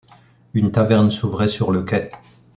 Une taverne s’ouvrait sur le quai.